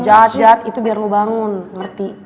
jahat jahat itu biar lo bangun ngerti